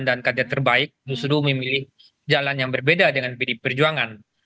dan karya terbaik justru memilih jalan yang berbeda dengan perjuangan